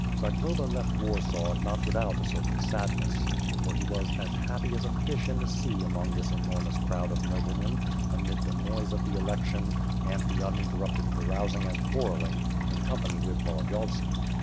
Zagloba left Warsaw, not without a certain sadness; for he was as happy as a fish in the sea among this enormous crowd of noblemen, amid the noise of the election, and the uninter rupted carousing and quarreling, in company with Volodi yovski.